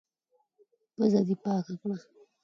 پېزه دي پاکه کړه.